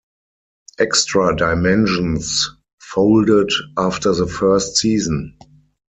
"Extra Dimensions" folded after the first season.